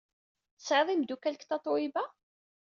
Tesɛiḍ imeddukal deg Tatoeba?